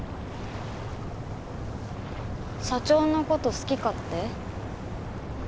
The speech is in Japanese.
社長の事好きかって？